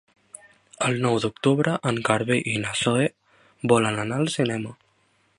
El nou d'octubre en Garbí i na Zoè volen anar al cinema.